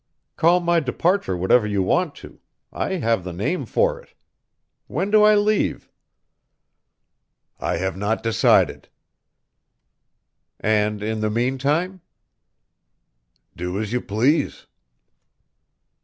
"Call my departure whatever you want to I have the name for it. When do I leave?" "I have not decided." "And in the meantime?" "Do as you please."